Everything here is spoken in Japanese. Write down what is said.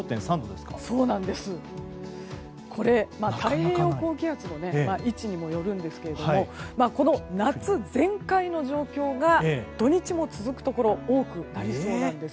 太平洋高気圧の位置にもよるんですけどこの夏全開の状況が土日も続くところが多くなりそうなんです。